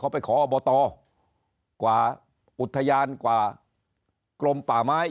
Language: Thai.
ไปขออบตกว่าอุทยานกว่ากลมป่าไม้